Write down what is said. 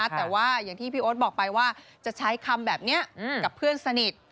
แต่ว่าอย่างที่พี่โอ๊ตบอกไปว่าจะใช้คำแบบนี้กับเพื่อนสนิท